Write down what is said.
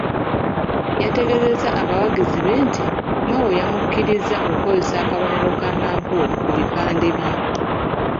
Yategeezezza abawagizi be nti, Mao yamukkirizza okukozesa akabonero ka manvuuli ku bipande bye.